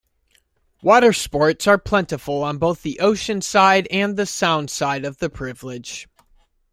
Watersports are plentiful on both the ocean-side and the sound-side of the village.